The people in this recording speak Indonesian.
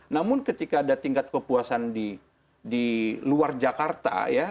namun ketika ada tingkat kepuasan di luar jakarta ya